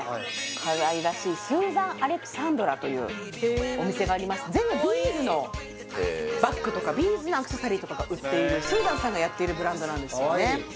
かわいらしいスーザンアレクサンドラというお店がありましてバッグとかビーズのアクセサリーとかが売っているスーザンさんがやっているブランドなんですよね